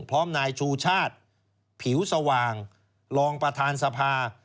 พร้อมนายชูชาติผิวสว่างรองประธานสภา